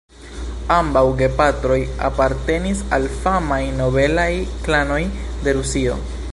Ambaŭ gepatroj apartenis al famaj nobelaj klanoj de Rusio.